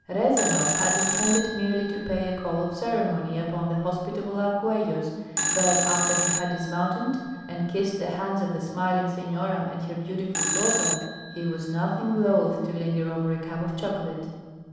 Rezanov had intended merely to pay a call of ceremony upon the hospitable Arguellos, but after he had dismounted and kissed the hands of the smiling senora and her beautiful daughter he was nothing loath to linger over a cup of chocolate.